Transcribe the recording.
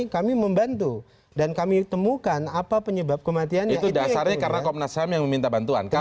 kemudian penetapan tersangka